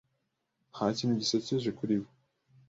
Nta kintu gisekeje kuri we.